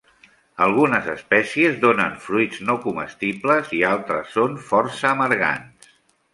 Algunes espècies donen fruits no comestibles i altres són força amargants.